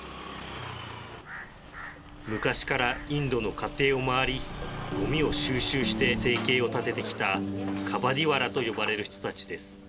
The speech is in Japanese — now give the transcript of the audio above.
昔からインドの家庭を回りゴミを収集して生計を立ててきたカバディワラと呼ばれる人たちです。